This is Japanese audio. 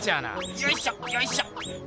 よいしょよいしょ。